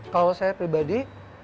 kalau saya pribadi